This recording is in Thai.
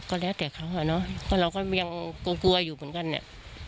ก็แล้วแต่เขาอ่ะเนอะเพราะเราก็ยังกลัวกลัวอยู่เหมือนกันเนี่ย